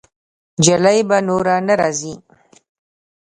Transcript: جلۍ به نوره نه راځي.